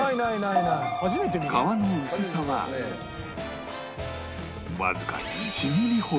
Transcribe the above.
皮の薄さはわずか１ミリほど